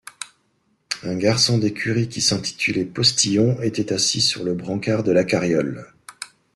Un garçon d'écurie qui s'intitulait postillon était assis sur le brancard de la carriole.